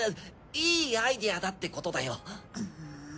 いいアイデアだってことだよ。